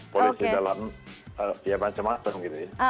polisi dalam ya macam macam gitu ya